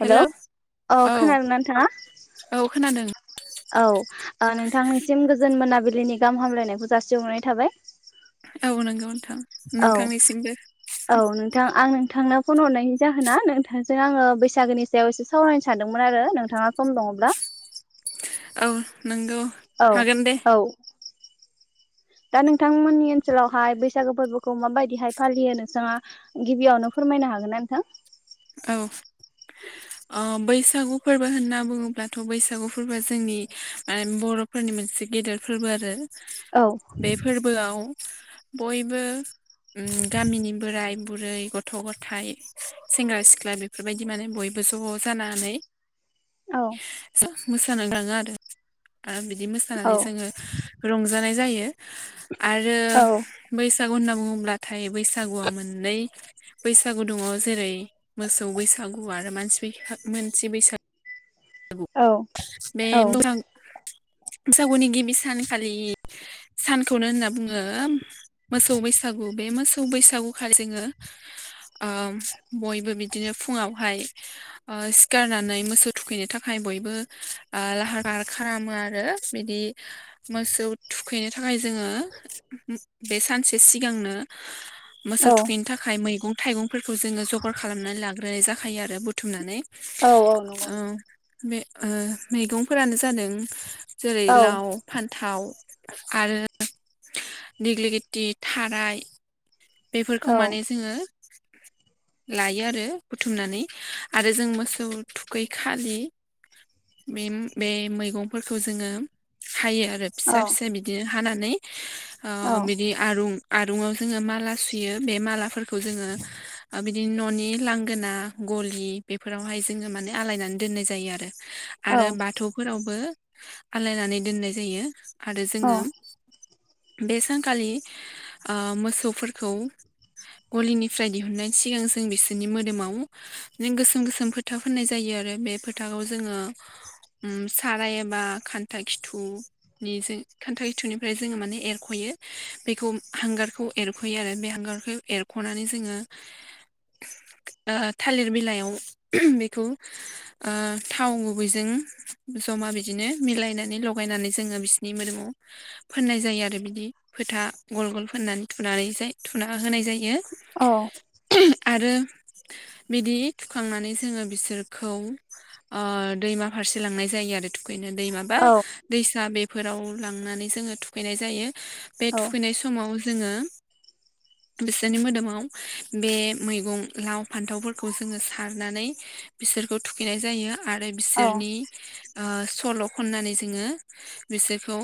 Hello अ औ खोनादोंना नोंथाङा? औ खोनादों औ ओ नोंथांनिसिम गोजोन मोनाबिलिनि गाहाम हामलायनायखौ जासिहरनाय थाबाय। औ नोंगौ नोंथां औ नोंथांनिसिमबो औ नोंथां आं नोंथांनो फन हरनायनि जाहोना नोंथांजों आङो बैसागोनि सायाव एसे सावरायनो सानदोंमोन आरो नोंथाङा सम दङब्ला। औ नोंगौ। औ औ। [inaudible] दा नोंथांमोननि ओनसोलावहाय बैसागो फोरबोखौ माबायदिहाय फालियो नोंथाङा गिबियावनो फोरमायनो हागोन ना नोंथां? औ। अ बैसागु फोरबो होनना बुङोब्लाथ' बैसागु फोरबोआ जोंनि ओ बर' फोरनि मोनसे गेदेर फोरबो आरो। औ बे फोरबो आव बयबो उम गामिनि बोराय बुरै गथ' गथाइ सेंग्रा सि ख्ला बेफोरबायदि माने बयबो ज' जानानै औ जों मोसानो थाङो आरो। आरो बिदि औ मोसानानै जोङो रंजानाय जायो। आरो औ बैसागु होनना बुङोब्लाथाय बैसागुआ मोननै बैसागु दङ जेरै मोसौ बैसागु आरो मानसि बैसा मानसि बैसा औ। बे औ [unintelligible] बैसागुनि गिबि सानखालि सानखौनो होनना बुङो मोसौ बैसागु बे मोसौ बैसागुखालि जोङो ओ बयबो बिदिनो फुङावहाय ओ सिखारनानै मोसौ थुखैनो थाखाय बयबो ओ लाहार फाहार खालामो आरो बिदि मोसौ थुखैनो थाखाय जोङो बे सानसे सिगांनो मोसौ औ थुखैनो थाखाय मैगं थाइगंफोरखौ जोङो जगार खालामनानै लाग्रोनाय जाखायो आरो बुथुमनानै। औ औ नंगौ नोंथां उम बे ओ मैगंफोरानो जादों जेरै औ लाव, फान्थाव आरो देगलिगेटि, थाराइ, बेफोरखौ औ माने जोङो लायो आरो बुथुमनानै आरो जों मोसौ थुखैखालि बेम बे मैगंफोरखौ जोङो हायो आरो फिसा औ फिसा बिदिनो हानानै ओ औ बिदि आरुं आरुङाव जोङो माला सुयो बे मालाफोरखौ जोङो ओ बिदिनो न'नि लांगोना गलि बेफोरावहाय जोङो माने आलायनानै दोननाय जायो आरो। औ आरो बाथौफोरावबो आलायनानै दोननाय जायो आरो जोङो बे सानखालि मोसौफोरखौ गलिनिफ्राय दिहुननायनि सिगां जों बिसोरनि मोदोमाव गोसोम गोसोम फोथा फोननाय जायो आरो बे फोथाखौ जोङो साराय एबा खान्था खिथु नि जों खान्था खिथुनिफ्राय जोङो माने एरख'यो बेखौ हांगारखौ एर खयो आरो बे हांगारखौ एरख'नानै जोङो थालिर बिलाइयाव बेखौ ओ थाव गुबैजों ज'मा बिदिनो मिलायनानै लगायनानै जोङो बिसिनि मोदोमाव फोननाय जायो आरो बिदि फोथा गल गल फोननानै थुनानैजाय थुना होनाय जायो। औ आरो बिदि थुखांनानै जोङो बिसोरखौ दैमा फारसे लांनाय जायो आरो। थुखैनो दै माबा औ दैसा बेफोराव लांनानै जोङो थुखैनाय जायो। बे औ थुखैनाय समाव जोङो बिसोरनि मोदोमाव बे मैगं लाव फान्थावफोरखौ जोङो सारनानै बिसोरखौ थुखैनाय जायो आरो औ बिसोरनि सल' खननानै जोङो बिसोरखौ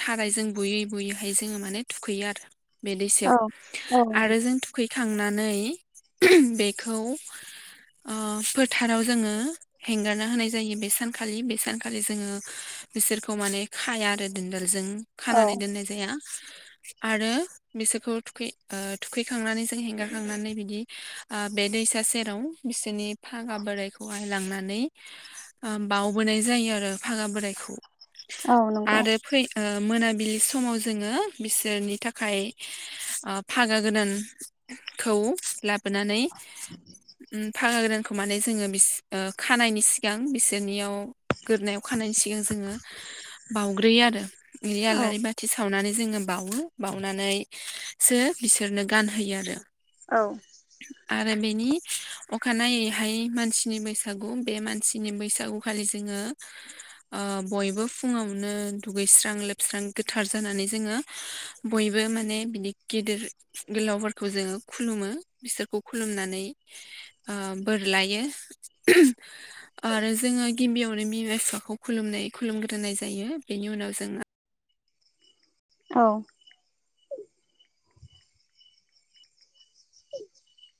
थाराय जों बुयै बुयैहाय जोङो माने थुखैयो आरो बे औ दैसायाव औ आरो जों थुखैखांनानै बेखौ फोथाराव जोङो हेंगारना होनाय जायो बे सानखालि बे सानखालि जोङो बिसोरखौ माने खाया आरो दोनदालजों औ खानानै दोननाय जाया आरो। बिसोरखौ थुखै थुखैखांनानै जों हेंगार खांनानै बिदि बे दैसा सेराव बिसोरनि फागा बोरायखौहाय लांनानै बावबोनाय जायो आरो फागा बोरायखौ औ नंगौ आरो फै मोनाबिलि समाव जोङो बिसोरनि थाखाय फागा गोदानखौ लाबोनानै फागा गोदानखौ माने जोङो बिस खानायनि सिगां बिसोरनियाव गोदोनायाव खानायनि सिगां जोङो बावग्रोयो आरो बे औ आलारि बाथि थि सावनानै जोङो बावो बावनानै सो बिसोरनो गानहोयो आरो। औ आरो बेनि अखानायैहाय मानसिनि बैसागु बे मानसिनि बैसागु खालि जोङो बयबो फुङावनो दुगैस्रां लोबस्रां गोथार जानानै जोङो बयबो माने बिदि गिदिर गोलावफोरखौ जोङो खुलुमो बिसोरखौ खुलुमनानै बोर लायो आरो जोङो गिबियावनो बिमा बिफाखौ खुलुमनाय खुलुमग्रोनाय जायो बेनि उनाव जोंना औ [inaudible]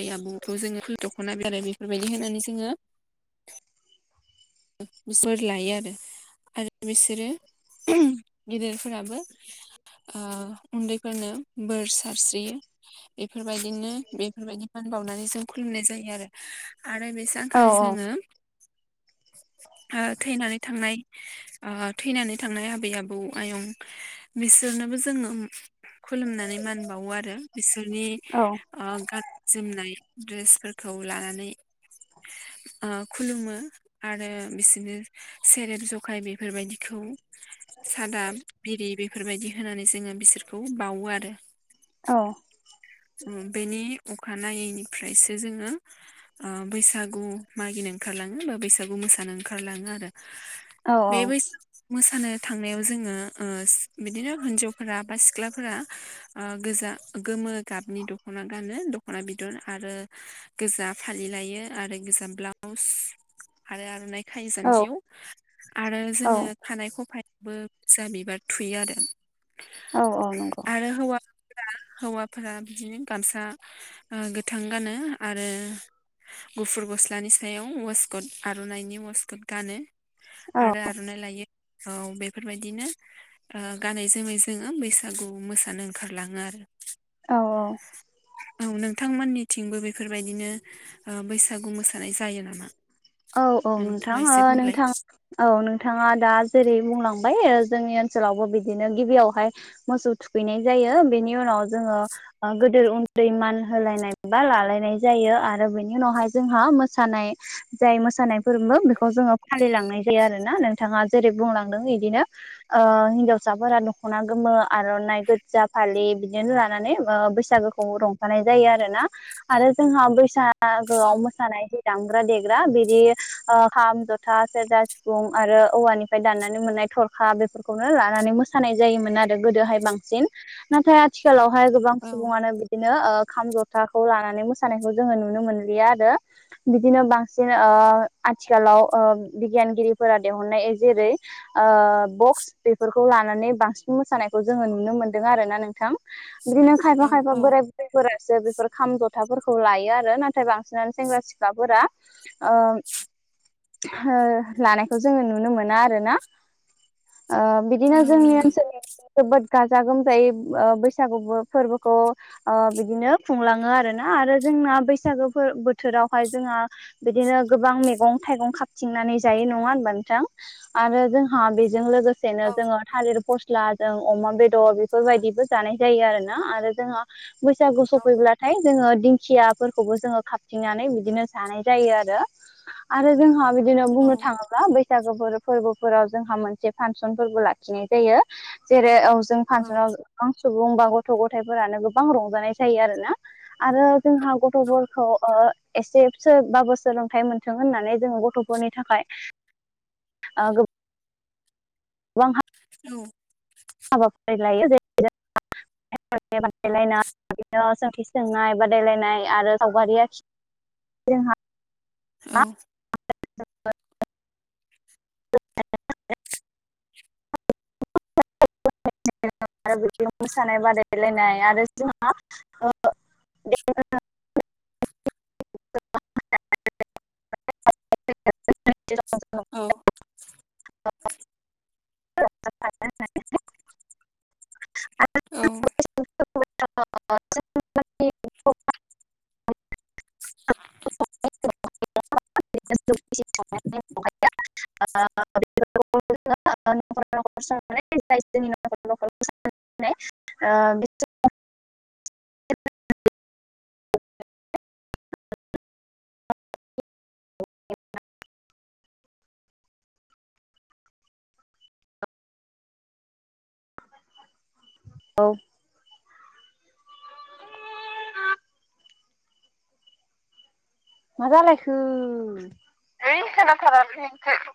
बे आबौखौ जोङो फुल दख'ना [unintelligible] बेफोरबायदि होनानै जोङो बोर लायो आरो आरो बिसोरो गिदिरफोराबो उन्दैफोरनो बोर सारस्रियो बेफोरबायदिनो बेफोरबायदि मान बावनानै जों खुलुमनाय जायो आरो आरो बे औ सानखालि जोङो थैनानै थांनाय थैनानै थांनाय आबै आबौ आयं बिसोरनोबो जोङो खुलुमनानै मान बावो आरो बिसोरनि औ गाननाय जोमनाय ड्रेसफोरखौ लानानै खुलुमो आरो बिसोरनो सेरेब जखाय बेफोरबायदिखौ सादा बिरि बेफोरबायदि होनानै जोङो बिसोरखौ बावो आरो औ बेनि अखानायैनिफ्रायसो जोङो ओ बैसागु मागिनो ओंखारलाङो बा बैसागु मोसानो ओंखारलाङो आरो बे बैसाग मोसानो थांनायाव जोङो ओ बिदिनो हिन्जावफोरा बा सिख्लाफोरा ओ गोजा गोमो गाबनि दख'ना गानो दख'ना बिदन आरो गोजा फालि लायो आरो गोजा ब्लाउस आरो आर'नाइ खायो जान्जियाव आरो औ जोङो खानाय खफायावबो [unintelligible] बिबार थुयो आरो औ औ नंगौ आरो हौवा हौवाफोरा बिदिनो गामसा ओ गोथां गानो आरो गुफुर गस्लानि सायाव वासकट आर'नाइनि वासकद गानो औ आरो आर'नाइ लायो औ बेफोरबायदिनो ओ गानै जोमै जोङो बैसागु मोसानो ओंखारलाङो आरो औ औ औ नोंथांमोननिथिंबो बेफोरबायदिनो ओ बैसागु मोसानाय जायो नामा औ औ नोंथां नोंथाङा ओ एसे बुंलाय नोंथां औ नोंथाङा दा जेरै बुंलांबाय जोंनि ओनसोलावबो बिदिनो गिबियावहाय मोसौ थुखैनाय जायो बेनि उनाव जोङो ओ गोदोर उन्दै मान होलायनाय बा लालायनाय जायो आरो बेनि उनावहाय जोंहा मोसानाय जाय मोसानाय फोरबो बेखौ जोङो फालिलांनाय जायो आरो ना नोंथाङा जेरै बुंलांदों इदिनो ओ हिन्जावसाफोरा दख'ना गोमो आर'नाइ गोजा फालि बिदिनो लानानै बैसागो रंजानाय जायो आरोना आरो जोंहा बैसागोआव मोसानाय जि दामग्रा देग ग्रा बिदि ओ खाम जथा सेरजा सिफुं आरो औवफ्राय दनानै मोननाय थर खा बेफोरखौनो लानानै मोसानाय जायोमोन आरो गोदोहाय बांसिन नाथाय आथिखालावहाय गोबां औ सुबङानो बिदिनो ओ खाम जथाखौ लानानै मोसानायखौ जोङो नुनो मोनलिया आरो बिदिनो बांसिन [unintelligible] आथिखालाव बिगियानगिरिफोरा दिहुननाय जेरै ओ बक्स बेफोरखौ लानानै बांसिन मोसानायखौ जोङो नुनो मोनदों आरोना नोंथां बिदिनो औ खायफा खायफा औ बोराय [unintelligible] फोरासो बेफोर खाम जथाफोरखौ लायो आरो नाथाय बांसिनानो सेंग्रा सिख्लाफोरा ओ लानायखौ जोङो नुनो मोना आरोना ओ बिदिनो औ जोंनि नंगौ ओनसोलाव जोबोद गाजा गोमजायै ओ बैसागु फोरबोखौ अ बिदिनो खुंलाङो आर ना आरो जोंना बैसागो बोथोरावहाय जोंहा बिदिनो गोबां मैगं थाइगं खाबथिंनानै जायो नङा होनबा नोंथां आरो जोंहा बेजों लोगो सेनो औ जोङो थालिर फस्ला जों अमा बेदर बेफोरबायदिबो जानाय जायो आरो ना आरो जोंहा बैसागु औ सफैब्लाथाय जोङो दिंखियाफोरखौबो जोङो खााबथिंनानै बिदिनो जानाय जायो आरो आरो जोंहा बिदिनो औ बुंनो थाङोब्ला बैसागो फोरबोफोराव जोंहा मोनसे फांसन फोरबो लाखिनाय जायो जेरै जों फांसनाव औ गोबां सुबुं बा गथ' गथायफोरानो गोबां रंजानाय जायो आरोना आरो जोंहा गथ'फोरखौ ओ एसे सोबाबो सोलोंथाइ मोनथों होननानै जोङो गथ'फोरनि थाखाय ओ गो [unintelligible] औ हाबाफारि लायो [unintelligible] बादायलायनाय बिदिनो सोंथि सोंनाय बादायलायनाय आरो सावगारि आखिनाय [unintelligible] जोंहा औ [unintelligible] आरो बिदि मोसानाय बादायलायनाय आरो जोंहा [unintelligible] सम [unintelligible] औ [unintelligible] स [unintelligible] औ आ [unintelligible] औ [unintelligible] [unintelligible] [unintelligible] [unintelligible] ओ बि [unintelligible] औ मा जालायखो यै खोनाथारा सैथो